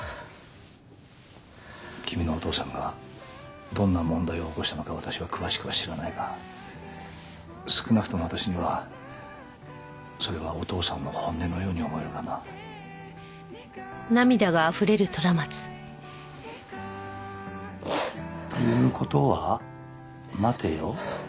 君のお父さんがどんな問題を起こしたのか私は詳しくは知らないが少なくとも私にはそれはお父さんの本音のように思えるがな。という事は待てよ。